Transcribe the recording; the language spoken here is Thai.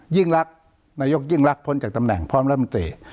ยิ่งรักนายกยิ่งรักพ้นจากตำแหน่งพร้อมรัฐมนตรี